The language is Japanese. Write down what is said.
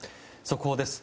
速報です。